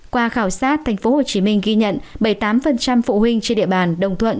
qua khảo sát thành phố hồ chí minh ghi nhận bảy mươi tám phụ huynh trên địa bàn đồng thuận